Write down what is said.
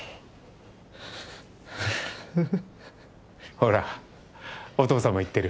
ほらお父さんも言ってる。